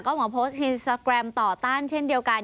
ก็มาโพสต์อินสตาแกรมต่อต้านเช่นเดียวกัน